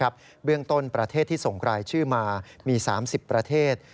เบื้องต้นประเทศที่ส่งรายชื่อมามี๓๐ประเทศ